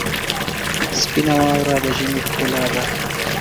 سپینه واوره د ژمي ښکلا ده.